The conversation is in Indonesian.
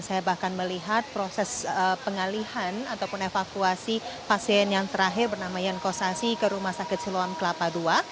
saya bahkan melihat proses pengalihan ataupun evakuasi pasien yang terakhir bernama yankosasi ke rumah sakit siloam kelapa ii